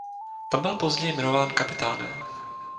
Tam byl později jmenován kapitánem.